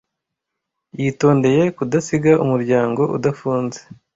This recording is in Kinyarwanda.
Yitondeye kudasiga umuryango udafunze.